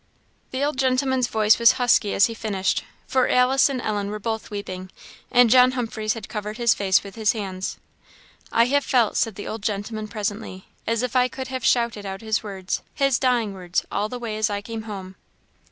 The old gentleman's voice was husky as he finished, for Alice and Ellen were both weeping, and John Humphreys had covered his face with his hands. "I have felt," said the old gentleman, presently, "as if I could have shouted out his words his dying words all the way as I came home.